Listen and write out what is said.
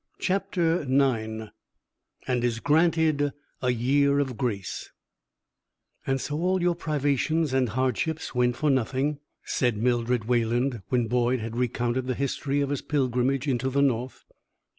CHAPTER IX AND IS GRANTED A YEAR OF GRACE "And so all your privations and hardships went for nothing," said Mildred Wayland, when Boyd had recounted the history of his pilgrimage into the North.